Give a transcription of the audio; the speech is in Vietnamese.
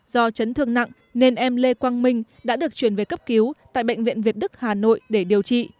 do chấn thương nặng nên em lê quang minh đã được chuyển về cấp cứu tại bệnh viện việt đức hà nội để điều trị